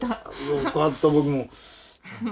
よかった僕も。